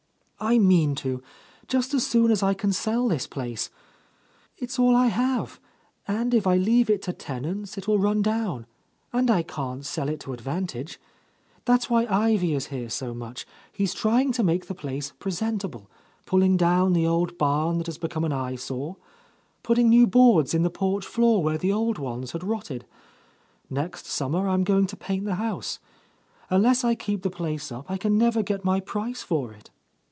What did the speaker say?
"I mean to, just as soon as I can sell this place. It's all I have, and if I leave it to tenants it will run down, and I can't sell it to advantage. That's why Ivy is here so much, he's tr3nng to make the place presentable ; pulling down the old barn that had become an eyesore, putting new boards in the porch floor where the old ones had rotted. Next summer, I am going to paint the house. Unless I keep the place up, I can never get my price for it."